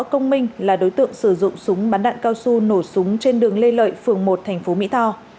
công minh là đối tượng sử dụng súng bắn đạn cao su nổ súng trên đường lê lợi phường một thành phố mỹ tho